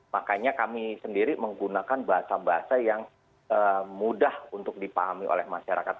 makanya kami sendiri menggunakan bahasa bahasa yang mudah untuk dipahami oleh masyarakat